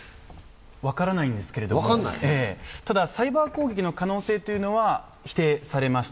分からないんですけれども、サイバー攻撃の可能性は否定されました。